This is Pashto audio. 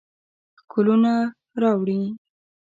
ښکلونه راوړي